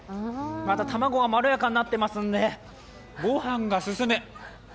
また卵がまろやかになってますので、ご飯が進む。